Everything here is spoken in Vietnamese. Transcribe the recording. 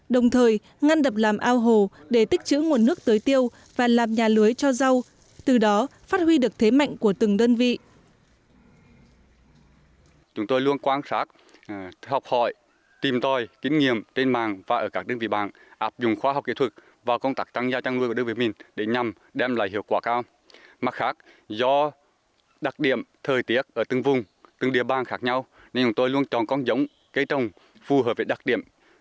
đồng thời ngăn đập làm ao hồ để tích chữ nguồn nước tới tiêu và làm nhà lưới cho rau từ đó phát huy được thế mạnh của từng đơn vị